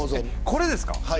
これです。